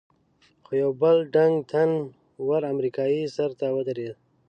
خو یو بل ډنګ، تن ور امریکایي سر ته ودرېد.